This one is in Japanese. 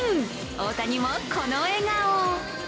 大谷もこの笑顔。